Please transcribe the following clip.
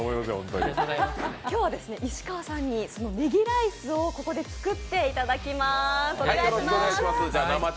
今日は石川さんにねぎライスをここで作っていただきます。